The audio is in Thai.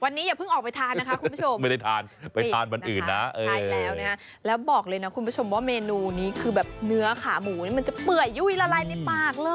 วันนี้อย่าพึ่งออกไปทานนะค่ะคุณผู้ชม